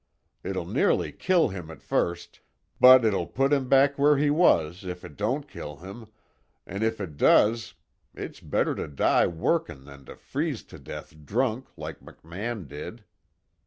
It'll nearly kill him at first, but it'll put him back where he was, if it don't kill him an' if it does, it's better to die workin' than to freeze to death drunk like McMann did."